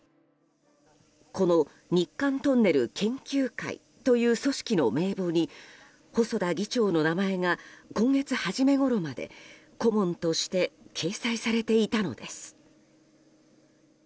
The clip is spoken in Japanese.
この日韓トンネル研究会という組織の名簿に細田議長の名前が今月初めごろまで顧問として掲載されていたのです。